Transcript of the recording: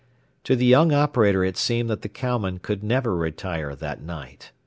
To the young operator it seemed that the cowman would never retire that night.